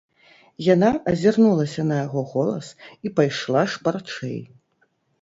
Яна азірнулася на яго голас і пайшла шпарчэй.